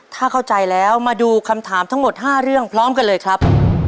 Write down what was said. ถ้าเข้าใจแล้วมาดูคำถามทั้งหมด๕เรื่องพร้อมกันเลยครับ